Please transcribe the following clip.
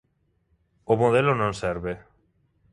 O modelo non serve.